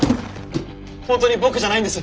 本当に僕じゃないんです。